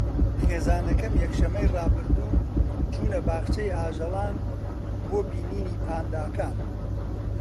خێزانەکەم یەکشەممەی ڕابردوو چوونە باخچەی ئاژەڵان بۆ بینینی پانداکان.